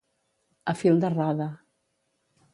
A fil de roda.